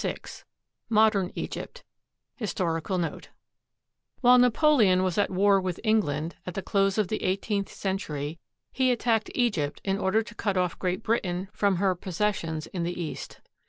VI MODERN EGYPT HISTORICAL NOTE While Napoleon was at war with England, at the close of the eighteenth century, he attacked Egypt in order to cut off Great Britain from her possessions in the East.